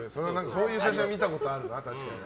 そういう写真は見たことあるな。